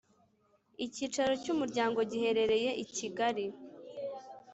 Icyicaro cy’ umuryango giherereye ikigali.